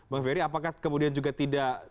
bang ferry apakah kemudian juga tidak